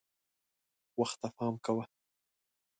وخت ته پام کوه .